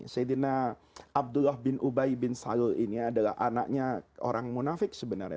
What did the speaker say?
saidina abdullah bin ubai bin salul ini adalah anaknya orang munafik sebenarnya